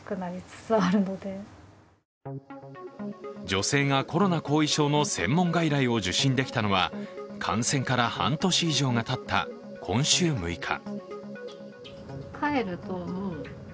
女性がコロナ後遺症の専門外来を受診できたのは感染から半年以上がたった今週６日。